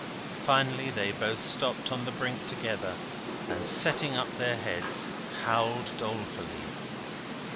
Finally, they both stopped on the brink together, and setting up their heads, howled dolefully.